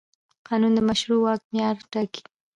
قانون د مشروع واک معیار ټاکي.